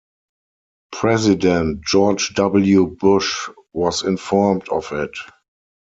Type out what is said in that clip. President George W. Bush was informed of it.